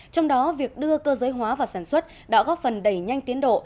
trong đó việc đưa cơ giới hóa vào sản xuất đã góp phần đẩy nhanh tiến độ